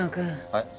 はい？